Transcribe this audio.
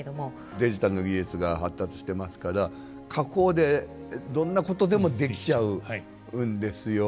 デジタルの技術が発達してますから加工でどんなことでもできちゃうんですよ。